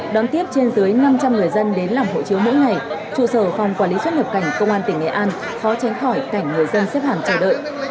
đón tiếp trên dưới năm trăm linh người dân đến làm hộ chiếu mỗi ngày trụ sở phòng quản lý xuất nhập cảnh công an tỉnh nghệ an khó tránh khỏi cảnh người dân xếp hàng chờ đợi